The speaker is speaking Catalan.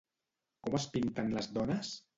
Com es pinten les dones?